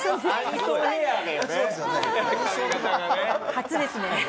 初ですね。